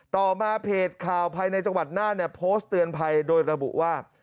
ต่อมาเพจข่าวภายในจังหวัดน่านเนี่ยโพสต์เตือนภัยโดยระบุว่า